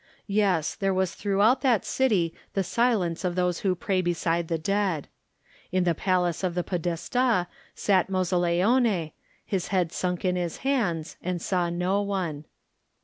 Yes, there was throughout that city the silence of those who pray beside the dead. In the palace of the Podesti sat Mazzaleone, his head sunk in his hands, and saw no one.